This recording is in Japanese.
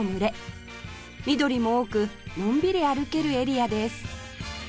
緑も多くのんびり歩けるエリアです